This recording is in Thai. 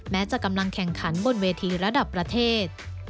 แม้จะกำลังแข่งขันบนเวทีระดับประเทศ